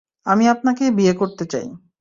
আমি আপনাকে বিয়ে করতে চাই।